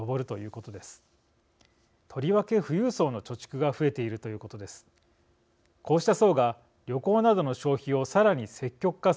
とりわけ、富裕層の貯蓄が増えているということです。